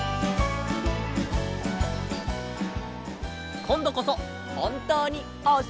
こんどこそほんとうにおっしまい！